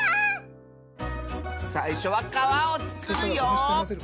さいしょはかわをつくるよ！